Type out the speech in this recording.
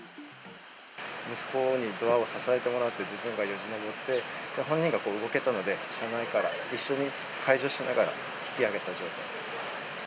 息子にドアを支えてもらって自分がよじ登って、本人が動けたので、車内から一緒に介助しながら引き上げた状態です。